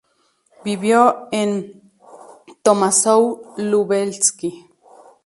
Vivió en Tomaszów-Lubelski.